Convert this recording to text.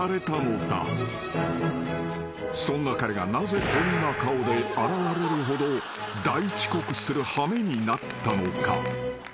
［そんな彼がなぜこんな顔で現れるほど大遅刻する羽目になったのか？］